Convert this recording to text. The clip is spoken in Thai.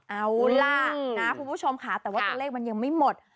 เอาล่ะนะคุณผู้ชมค่ะแต่ว่าตัวเลขมันยังไม่หมด